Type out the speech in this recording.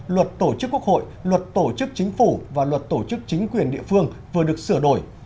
luật tổ chức quốc hội luật tổ chức chính phủ và luật tổ chức chính quyền địa phương vừa được sửa đổi